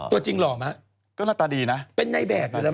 ตัวจริงหล่อมั้ย